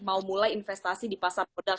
mau mulai investasi di pasar modal